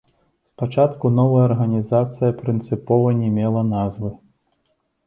Спачатку новая арганізацыя прынцыпова не мела назвы.